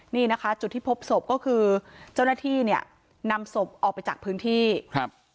นี่นะคะจุดที่พบศพก็คือเจ้าหน้าที่เนี่ยนำศพออกไปจากพื้นที่ครับ